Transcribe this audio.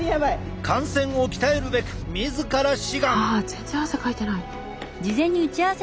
あ全然汗かいてない。